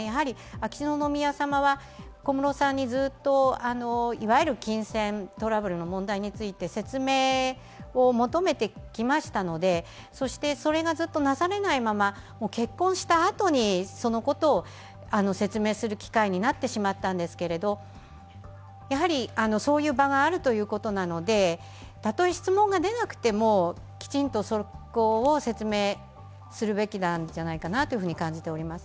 秋篠宮さまは小室さんにずっといわゆる金銭トラブルの問題について説明を求めてきましたので、それがずっとなされないまま、結婚したあとにそのことを説明する機会になってしまったんですけれど、そういう場があるということなので、たとえ質問が出なくてもきちんとそこを説明するべきなんじゃないかなと感じております。